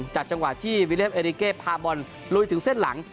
จังหวะที่วิเลฟเอริเก้พาบอลลุยถึงเส้นหลัง